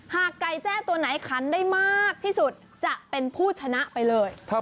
หากไก่แจ้ตัวไหนขันได้มากที่สุดจะเป็นผู้ชนะไปเลย